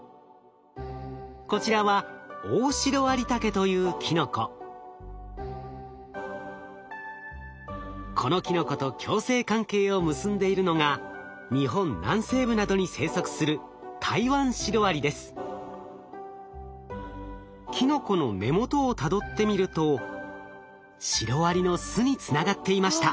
中にはお互いがこちらはこのキノコと共生関係を結んでいるのが日本南西部などに生息するキノコの根元をたどってみるとシロアリの巣につながっていました。